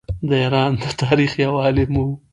د ایران د تاریخ یو عالم وو.